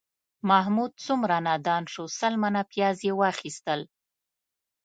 محمود څومره نادان شو، سل منه پیاز یې واخیستل